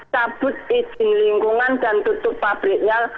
cabut izin lingkungan dan tutup pabriknya